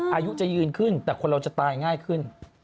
อายุจะยืนขึ้นแต่คนเราจะตายง่ายขึ้น